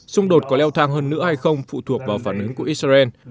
xung đột có leo thang hơn nữa hay không phụ thuộc vào phản ứng của israel